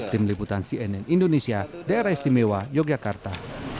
tim liputan cnn indonesia daerah istimewa yogyakarta